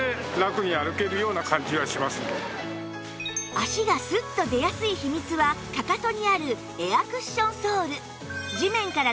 足がスッと出やすい秘密はかかとにあるエアクッションソール